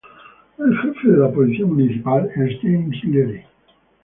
El Jefe de la Policía Municipal es James Leary.